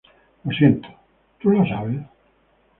Lo siento, ¿tú lo sabes?